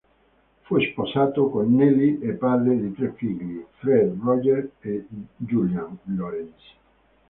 Fu sposato con Nellie e padre di tre figli: Fred, Roger e Julian Lorenz.